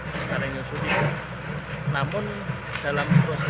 namun dalam proses itu tidak ada diri kamu juga